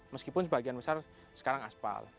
meskipun sebagian besar sekarang aspal